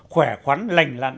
khỏe khoắn lành